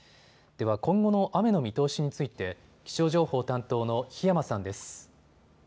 では今後の雨の見通しについて気象情報担当の檜山さんです。